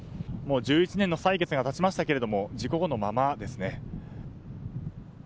もう１１年の歳月が経ちましたけれども事故後のままですね。